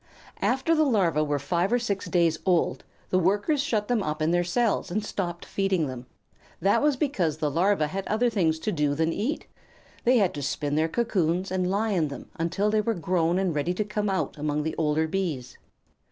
After the Larvæ were five or six days old, the Workers shut them up in their cells and stopped feeding them. That was because the Larvæ had other things to do than eat. They had to spin their cocoons, and lie in them until they were grown and ready to come out among the older Bees.